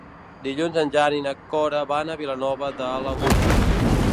Dilluns en Jan i na Cora van a Vilanova de l'Aguda.